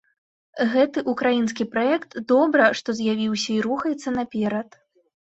Гэты ўкраінскі праект добра, што з'явіўся і рухаецца наперад.